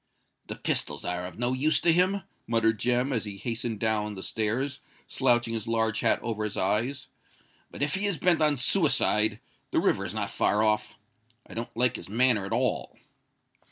"The pistols are of no use to him," muttered Jem, as he hastened down the stairs, slouching his large hat over his eyes; "but if he is bent on suicide, the river is not far off. I don't like his manner at all!"